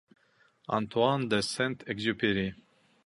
Антуан де Сент-Экзюпери.